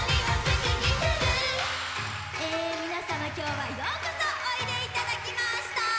皆様、今日はようこそおいでいただきました